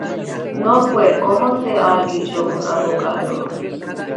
No fue, como se ha dicho, un abogado.